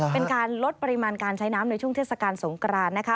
เป็นการลดปริมาณการใช้น้ำในช่วงเทศกาลสงกรานนะคะ